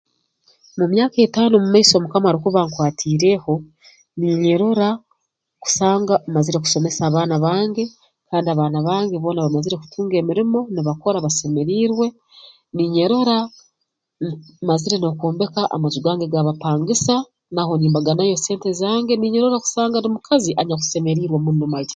Mu myaka etaano mu maiso mukama arukuba ankwatiireeho niinyerora kusanga mazire kusomesa abaana bange kandi abaana bange boona bamazire kutunga emirimo nibakora basemeriirwe niinyeroora mh mazire n'okwombeka amaju gange g'abapangisa naho nimbaganayo sente zange niinyerora kusanga ndi mukazi anyakusemeriirwe kwe muno mali